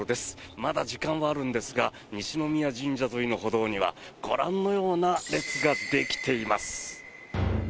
まだ時間はあるんですが西宮神社沿いの歩道にはご覧のような列ができています。